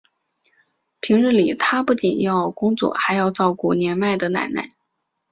平日里他不仅要工作还要照顾年迈的奶奶。